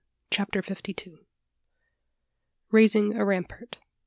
CHAPTER FIFTY TWO. RAISING A RAMPART.